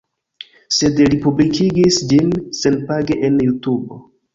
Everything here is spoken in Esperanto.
Sed li publikigis ĝin senpage en Jutubo